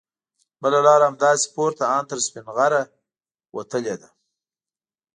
بله لاره همداسې پورته ان تر سپینغره وتې ده.